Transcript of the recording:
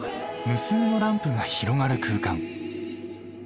無数のランプが広がる空間。